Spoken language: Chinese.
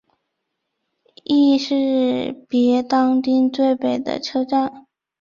亦是当别町最北的车站。